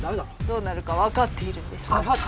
どうなるかわかっているんですか。